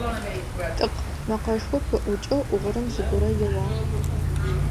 «ТӀыкъ» мэкъэшхо пыӀукӀэу гъурым зыгорэ еуагъ.